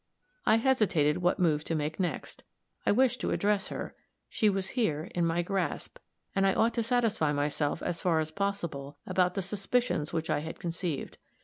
I hesitated what move to make next. I wished to address her she was here, in my grasp, and I ought to satisfy myself, as far as possible, about the suspicions which I had conceived.